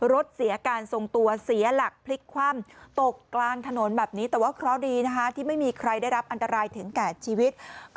รถเสียการทรงตัวเสียหลักพลิกคว่ำตกกลางถนนแบบนี้